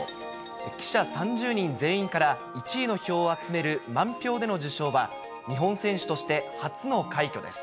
記者３０人全員から１位の票を集める満票での受賞は、日本選手として初の快挙です。